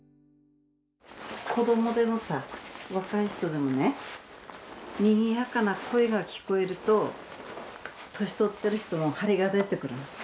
子どもでもさ若い人でもねにぎやかな声が聞こえると年取ってる人もハリが出てくるの。